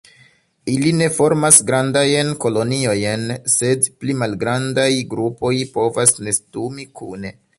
Ili ne formas grandajn koloniojn, sed pli malgrandaj grupoj povas nestumi kune.